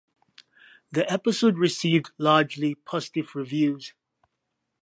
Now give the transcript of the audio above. The episode received largely positive reviews.